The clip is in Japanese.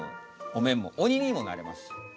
お面も鬼にもなれますし。